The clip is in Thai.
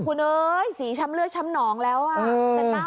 คุณเอ้ยสีช้ำเลือดช้ำหนองแล้วอ่ะ